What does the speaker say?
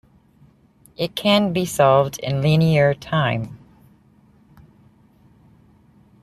It can be solved in linear time.